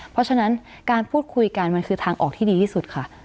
เพราะฉะนั้นการพูดคุยกันมันคือทางออกที่ดีที่สุดค่ะ